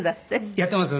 やってますよ。